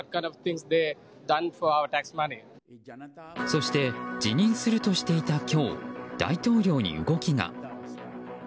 そして辞任するとしていた今日大統領に動きが。